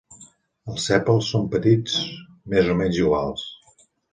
Els sèpals són petits més o menys iguals.